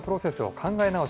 考え直す。